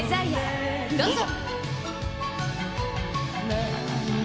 どうぞ。